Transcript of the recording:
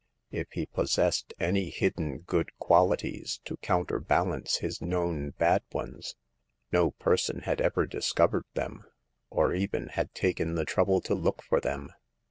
If he possessed any hidden good qualities to counterbalance his known bad ones, no person had ever discovered them, or even had taken the trouble to look for them.